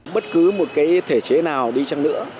bất cứ một thể chế nào đi chăng nữa